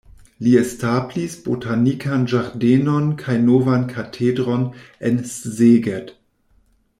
Li establis botanikan ĝardenon kaj novan katedron en Szeged.